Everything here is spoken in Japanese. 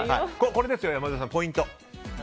これですよね、山添さんポイント。